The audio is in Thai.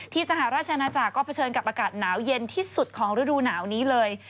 สหราชนาจักรก็เผชิญกับอากาศหนาวเย็นที่สุดของฤดูหนาวนี้เลย